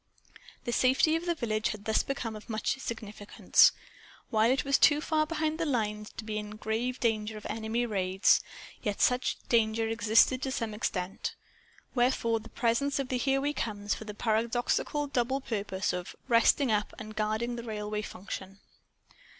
The safety of the village had thus become of much significance. While it was too far behind the lines to be in grave danger of enemy raids, yet such danger existed to some extent. Wherefore the presence of the "Here We Comes" for the paradoxical double purpose of "resting up" and of guarding the railway Function.